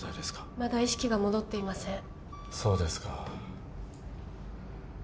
まだ意識が戻っていませんそうですか